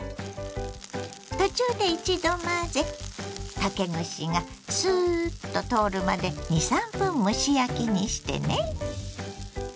途中で一度混ぜ竹串がスーッと通るまで２３分蒸し焼きにしてね。